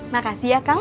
makasih ya kang